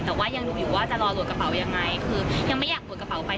แต่ว่ายังดูอยู่ว่าจะรอตรวจกระเป๋ายังไงคือยังไม่อยากหลุดกระเป๋าไป